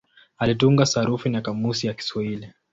Alitunga sarufi na kamusi ya Kiswahili.